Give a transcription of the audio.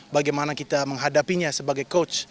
bagaimana kita menghadapinya sebagai coach